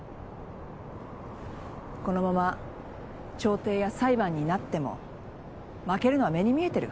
このまま調停や裁判になっても負けるのは目に見えてる。